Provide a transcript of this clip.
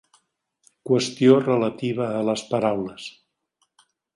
Qüestió relativa a les paraules.